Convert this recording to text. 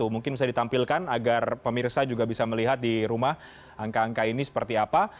mungkin bisa ditampilkan agar pemirsa juga bisa melihat di rumah angka angka ini seperti apa